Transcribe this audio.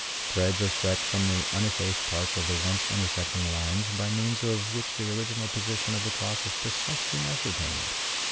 Threads are stretched from the uneffaced parts of the once intersecting lines, by means of which the original position of the cross is precisely ascertained.